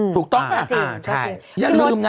ถูกต้องป่ะอย่าลืมนะ